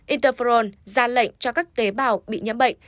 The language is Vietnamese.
interpron ra lệnh cho các tế bào bị nhiễm bệnh